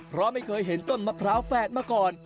เพราะไม่เคยเห็นต้นมะพร้าวแฝดมาก่อน